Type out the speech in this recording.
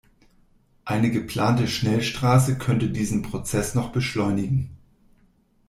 Eine geplante Schnellstraße könnte diesen Prozess noch beschleunigen.